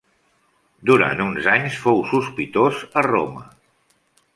Durant uns anys fou sospitós a Roma.